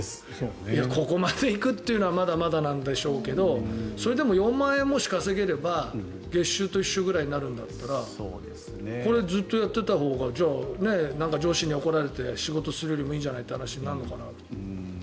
ここまで行くというのはまだまだなんでしょうけどそれでも４万円、もし稼げれば月収と一緒ぐらいになるんだったらこれずっとやってたほうがじゃあ、上司に怒られて仕事するよりもいいんじゃないという話になるのかなと。